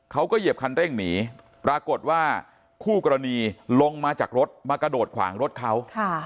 เหยียบคันเร่งหนีปรากฏว่าคู่กรณีลงมาจากรถมากระโดดขวางรถเขา